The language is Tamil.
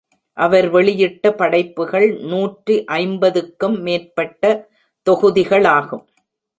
அவர் வெளியிட்ட படைப்புகள் நூற்று ஐம்பதுக்கும் மேற்பட்ட தொகுதிகளாகும்.